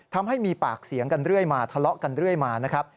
ทำให้มีปากเสียงกันเรื่อยมาทะเลาะกันเรื่อยมานะครับ